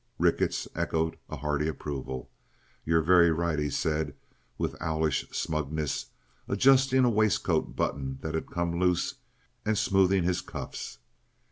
Ricketts echoed a hearty approval. "You're very right," he said, with owlish smugness, adjusting a waistcoat button that had come loose, and smoothing his cuffs.